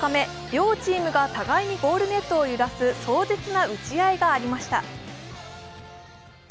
両チームが互いにゴールネットを揺らす壮絶な打ち合いがありました。